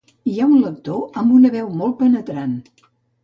Hi ha un lector amb una veu molt penetrant